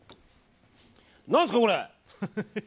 何ですか、これ。